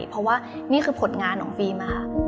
เพราะว่านี่คือผลงานของฟิล์มค่ะ